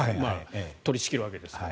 取り仕切るわけですから。